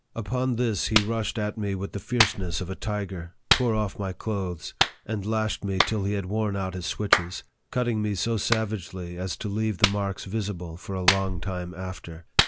Upon this he rushed 60 NARRATIVE OF THE at me with the fierceness of a tiger, tore off my clothes, and lashed me till he had worn out hia switches, cutting me so savagely as to leave the marks visible for a long time after.